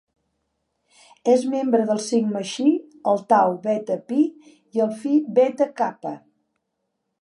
És membre del Sigma Xi, el Tau Beta Pi i el Phi Beta Kappa.